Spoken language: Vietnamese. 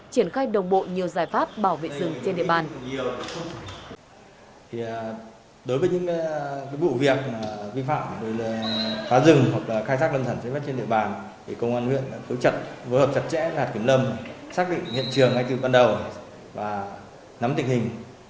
triển khai đồng bộ nhiều giải pháp bảo vệ rừng trên địa bàn